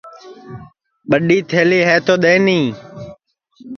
ٻڈؔی تھلی ہے تو دؔیٹؔی